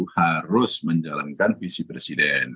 harus menjalankan visi presiden